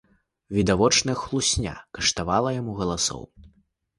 Відавочная хлусня каштавала яму галасоў.